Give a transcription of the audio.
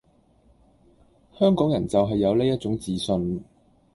香港人就係有呢一種自信